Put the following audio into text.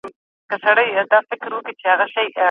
ماشوم د مور په غېږه کې خوندي وي.